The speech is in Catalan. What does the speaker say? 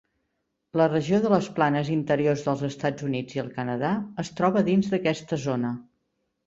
La regió de les planes interiors dels Estats Units i el Canadà es troba dins d'aquesta zona.